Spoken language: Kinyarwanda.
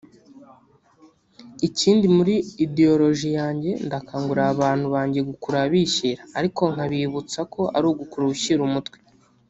Ikindi muri Ideoloji yanjye ndakangurira abantu banjye gukurura bishyira ariko nkabibutsa ko ari ugukurura ushyira umutwe